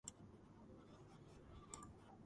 ბინადრობს ხმელეთზე, ტენიან ადგილებში.